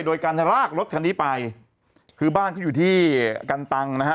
โดยการลากรถคันนี้ไปคือบ้านเขาอยู่ที่กันตังนะฮะ